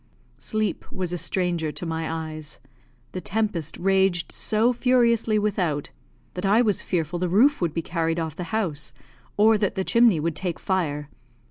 Sleep was a stranger to my eyes. The tempest raged so furiously without that I was fearful the roof would be carried off the house, or that the chimney would take fire.